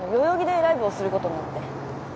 代々木でライブをすることになって。